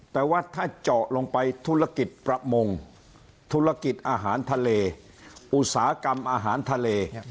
แต่ว่าถ้าเจาะลงไปธุรกิจประมงธุรกิจอาหารทะเลอุตสาหกรรมอาหารทะเล